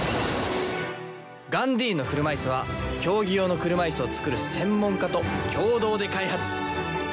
ガンディーンの車いすは競技用の車いすを作る専門家と共同で開発。